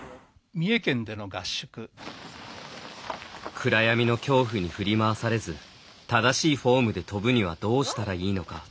暗闇の恐怖に振り回されず正しいフォームで跳ぶにはどうしたらいいのか。